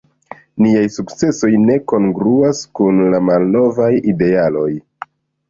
Niaj sukcesoj ne kongruas kun la malnovaj idealoj.